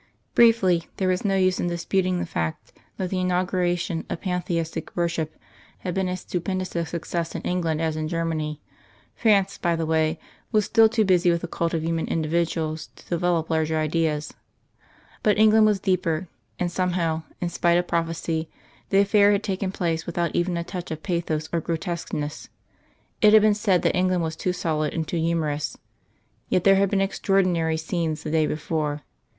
Briefly, there was no use in disputing the fact that the inauguration of Pantheistic worship had been as stupendous a success in England as in Germany. France, by the way, was still too busy with the cult of human individuals, to develop larger ideas. But England was deeper; and, somehow, in spite of prophecy, the affair had taken place without even a touch of bathos or grotesqueness. It had been said that England was too solid and too humorous. Yet there had been extraordinary scenes the day before.